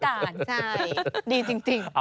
ใช่ดีจริง